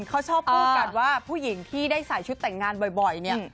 เขาชอบพูดกันว่าผู้หญิงที่ได้ใส่ชุดแต่งงานบ่อยเนี่ย